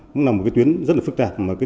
cũng là một tuyến rất phức tạp